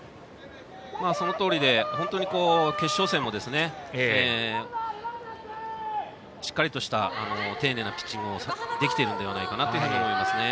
そのとおりで決勝戦もしっかりとした丁寧なピッチングができているのではないかと思いますね。